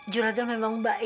juragan memang baik sekali